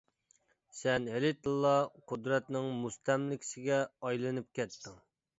-سەن ھېلىتىنلا قۇدرەتنىڭ مۇستەملىكىسىگە ئايلىنىپ كەتتىڭ!